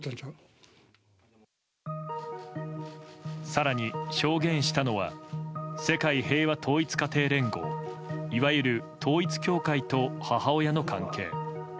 更に証言したのは世界平和統一家庭連合いわゆる統一教会と母親の関係。